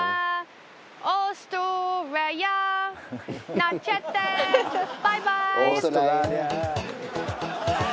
なんちゃってバイバーイ！